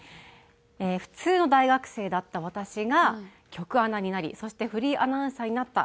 普通の大学生だった私が局アナになりそしてフリーアナウンサーになった。